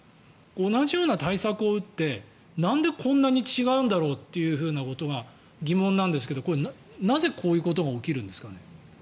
同じような対策を打ってなんでこんなに違うんだろうということが疑問なんですけどなぜ、こういうことが起きるんですかね？